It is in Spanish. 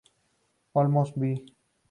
Olmos- Bv.